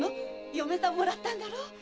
嫁さんもらったんだろ？